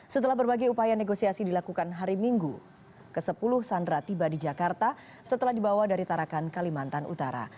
setelah berbagai upaya negosiasi dilakukan hari minggu ke sepuluh sandera tiba di jakarta setelah dibawa dari tarakan kalimantan utara